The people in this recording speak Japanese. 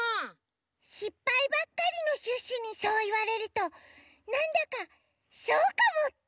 しっぱいばっかりのシュッシュにそういわれるとなんだかそうかもっておもえてくる。